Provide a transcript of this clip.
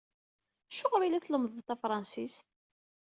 Acuɣer i la tlemmdeḍ tafṛansit?